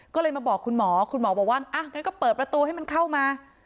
ก็เลยมาบอกคุณหมอคุณหมอบอกว่าอ่ะงั้นก็เปิดประตูให้มันเข้ามา